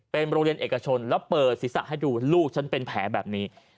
เป็นโรงเรียนเอกชนแล้วเปิดศีรษะให้ดูลูกฉันเป็นแผลแบบนี้